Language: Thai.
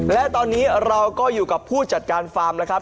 และตอนนี้เราก็อยู่กับผู้จัดการฟาร์มนะครับ